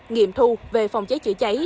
nghiệm thu về phòng cháy chữa cháy